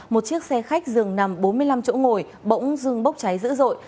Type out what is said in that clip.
một chiếc xe khách dừng nằm bốn mươi năm chỗ ngồi bỗng dừng bốc cháy dữ dội